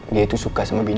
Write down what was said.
dia tuh suka sama bino